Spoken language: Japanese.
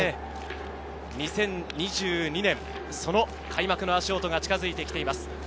２０２２年、その開幕の足音が近づいてきています。